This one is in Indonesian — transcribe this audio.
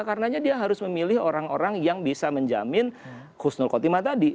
karenanya dia harus memilih orang orang yang bisa menjamin khusnul kotimah tadi